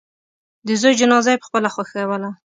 د زوی جنازه یې پخپله ښخوله.